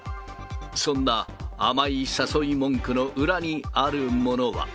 そんな甘い誘い文句の裏にあるものとは。